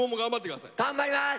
頑張ります！